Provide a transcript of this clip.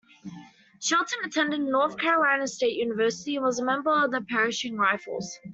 Shelton attended North Carolina State University and was a member of Pershing Rifles.